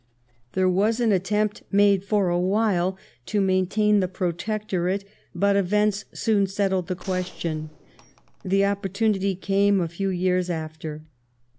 There was an attempt made for a while to main tain the Protectorate, but events soon settled the question. The opportunity came a few years after.